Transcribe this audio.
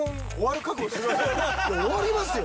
終わりますよ